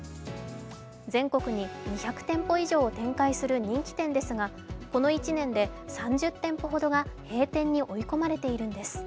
全国に２００店舗以上を展開する人気店ですが、この１年で３０店舗ほどが閉店に追い込まれているのです。